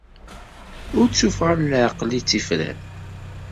Ur d tuffɣa n leɛqel ay d tifrat.